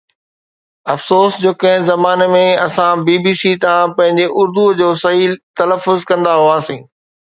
افسوس جو ڪنهن زماني ۾ اسان بي بي سي تان پنهنجي اردو جو صحيح تلفظ ڪندا هئاسين